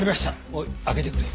おい開けてくれ。